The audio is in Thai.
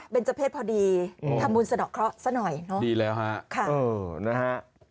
เป็นเจ้าเพศพอดีทำมูลสะดอกเขาสักหน่อยดีแล้วฮะค่ะเออนะฮะ